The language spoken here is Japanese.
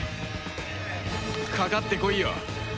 かかってこいよ。